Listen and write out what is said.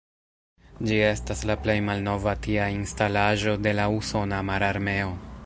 Ĝi estas la plej malnova tia instalaĵo de la usona mararmeo.